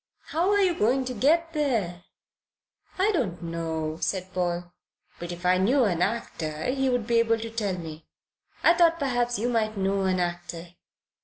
"How are you going to get there?" "I don't know," said Paul, "but if I knew an actor, he would be able to tell me. I thought perhaps you might know an actor."